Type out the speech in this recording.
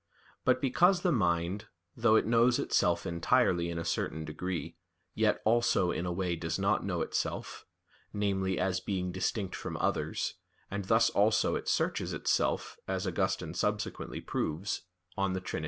But because the mind, though it knows itself entirely in a certain degree, yet also in a way does not know itself namely, as being distinct from others (and thus also it searches itself, as Augustine subsequently proves De Trin.